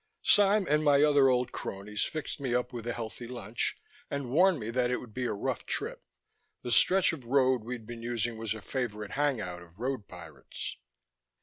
Sime and my other old cronies fixed me up with a healthy lunch, and warned me that it would be a rough trip; the stretch of road we'd be using was a favorite hang out of road pirates.